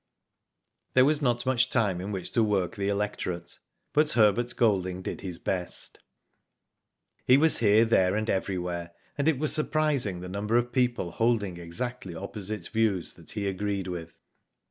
There was not much time in which to work the electorate, but Herbert Golding did bis best. P Digitized byGoogk 34 WHO DID IT? He was here, there, and everywhere ; and it was surprising the number of people holding exactly opposite views that he agreed with.